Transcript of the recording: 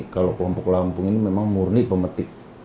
kalau kelompok lampung ini memang murni pemetik